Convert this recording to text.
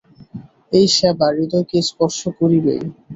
এই সেবা হৃদয়কে স্পর্শ করিবেই।